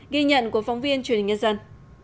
ghi nhận của phóng viên truyền hình nhân dân